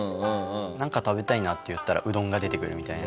なんか食べたいなって言ったらうどんが出てくるみたいな。